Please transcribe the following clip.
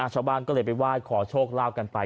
ชาวบ้านก็เลยไปไหว้ขอโชคลาภกันไป